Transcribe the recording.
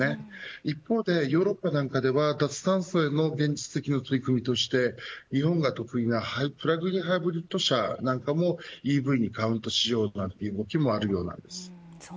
一方でヨーロッパでは脱炭素の現実的な取り組みとして日本の得意なプラグイン・ハイブリッド車もＥＶにカウントしようという動きもあるようです。